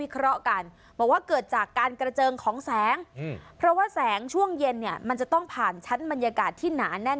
แสงของแสงเพราะว่าแสงช่วงเย็นเนี่ยมันจะต้องผ่านชั้นบรรยากาศที่หนาแน่น